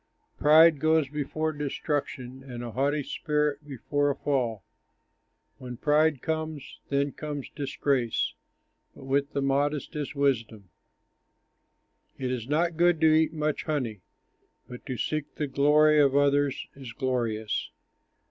Pride goes before destruction, And a haughty spirit before a fall. When pride comes, then comes disgrace, But with the modest is wisdom. It is not good to eat much honey; But to seek the glory of others is glorious.